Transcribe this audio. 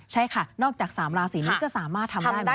ใช่ค่ะนอกจาก๓ราศีนี้ก็สามารถทำได้ไหม